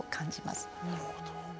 なるほど。